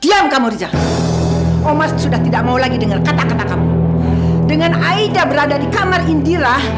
diam kamboja omas sudah tidak mau lagi dengar kata kata kamu dengan aida berada di kamar indira